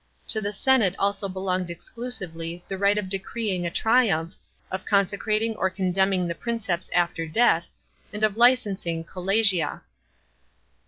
To the senate also belonged exclusively the right of decreeing a triumph, of consecrating or condemning the Princeps after death, and of licensing colleyia.